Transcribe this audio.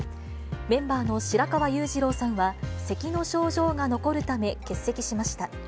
メンバーの白川裕二郎さんは、せきの症状が残るため欠席しました。